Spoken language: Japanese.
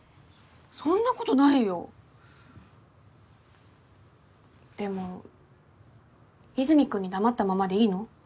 そんなことないよでも和泉君に黙ったままでいいの？